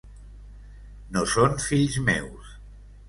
No són fills meus.